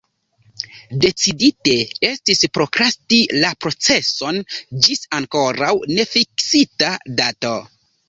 Decidite estis prokrasti la proceson ĝis ankoraŭ nefiksita dato.